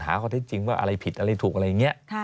หาข้อเท็จจริงว่าอะไรผิดอะไรถูกอะไรอย่างนี้